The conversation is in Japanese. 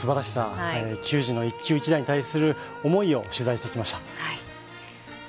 高校野球のすばらしさ、球児の一球一打に対する思いを取材してきました。